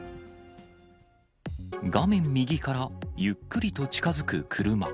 画面右からゆっくりと近づく車。